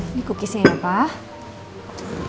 ini cookiesnya ya pak